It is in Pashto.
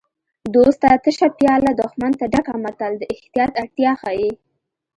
دوست ته تشه پیاله دښمن ته ډکه متل د احتیاط اړتیا ښيي